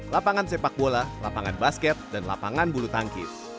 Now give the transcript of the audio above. lapangan sepak bola lapangan basket dan lapangan bulu tangkis